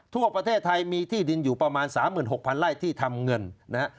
ทั่วประเทศไทยมีที่ดินอยู่ประมาณ๓๖๐๐ไร่ที่ทำเงินนะฮะ